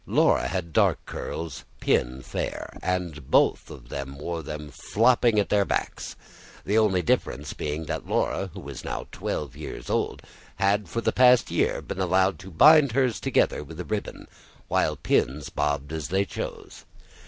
Laura had dark curls, Pin fair, and both wore them flapping at their backs, the only difference being that Laura, who was now twelve years old, had for the past year been allowed to bind hers together with a ribbon, while Pin's bobbed as they chose.